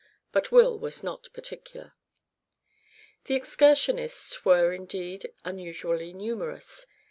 But Will was not particular! The excursionists were indeed unusually numerous.